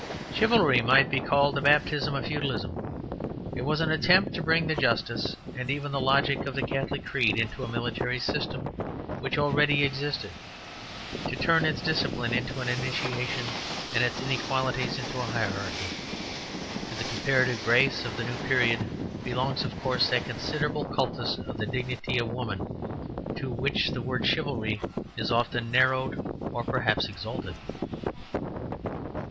Chivalry might be called the baptism of Feudalism. It was an attempt to bring the justice and even the logic of the Catholic creed into a military system which already existed; to turn its discipline into an initiation and its inequalities into a hierarchy. To the comparative grace of the new period belongs, of course, that considerable cultus of the dignity of woman, to which the word "chivalry" is often narrowed, or perhaps exalted.